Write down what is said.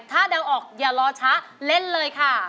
ถ้าเดาออกอย่ารอช้าเล่นเลยค่ะ